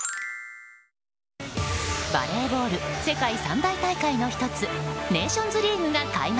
バレーボール世界三大大会の１つネーションズリーグが開幕。